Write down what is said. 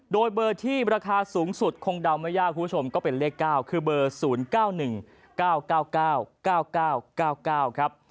โดยเบอร์ที่ราคาสูงสุดคงเดาไม่ยากคุณผู้ชมก็เป็นเลข๙คือเบอร์๐๙๑๙๙๙๙๙๙๙๙๙๙ครับ